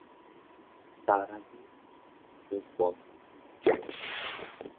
তার আগে তোমার চোখ বন্ধ করো।